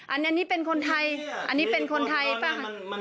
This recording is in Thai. อันนี้เป็นคนไทยอันนี้เป็นคนไทยป่ะ